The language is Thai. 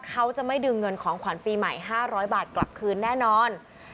เขาจะไม่ดึงเงินของขวัญปีใหม่๕๐๐บาทกลับคืนแน่นอน